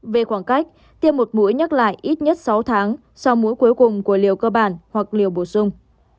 về khoảng cách tiêm một mũi nhắc lại ít nhất sáu tháng sau mũi cuối cùng của liều cơ bản hoặc liều bổ sung